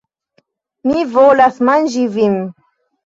Mi volas manĝi vin!